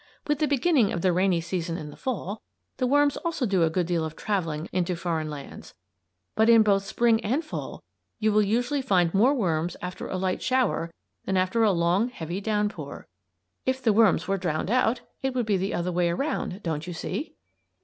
With the beginning of the rainy season in the Fall, the worms also do a good deal of travelling into foreign lands, but in both Spring and Fall you will usually find more worms after a light shower than after a long, heavy downpour. If the worms were drowned out it would be the other way around, don't you see?